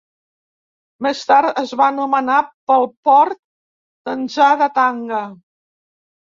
Més tard es va anomenar pel port tanzà de Tanga.